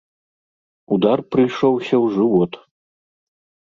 Удар прыйшоўся ў жывот.